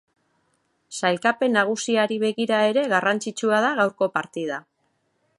Sailkapen nagusiari begira ere garrantzitsua da gaurko partida.